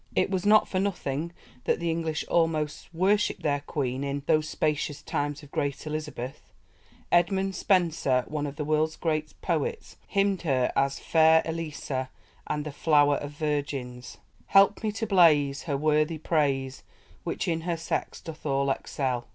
It was not for nothing that the English almost worshipped their Queen in "those spacious times of great Elizabeth." Edmund Spenser, one of the world's great poets, hymned her as "fayre Elisa" and "the flowre of Virgins": Helpe me to blaze Her worthy praise; Which, in her sexe doth all excell!